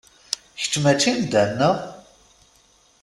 Kečč mačči n da, neɣ?